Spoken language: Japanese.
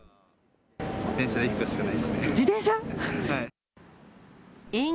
自転車で行くしかないですね。